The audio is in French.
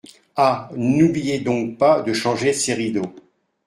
Ah ! n’oubliez donc pas de changer ces rideaux.